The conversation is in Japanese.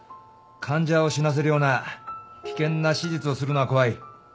患者を死なせるような危険な手術をするのは怖い。